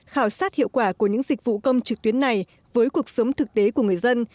khảo sát hiệu quả của những dịch vụ công trực tuyến này với cuộc sống thực tế của người dân